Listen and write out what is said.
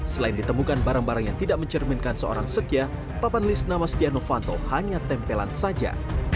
selain ditemukan barang barang yang tidak mencerminkan seorang setia papan list nama setia novanto hanya tempelan saja